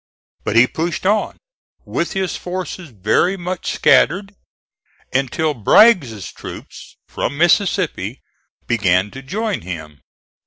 But he pushed on, with his forces very much scattered, until Bragg's troops from Mississippi began to join him.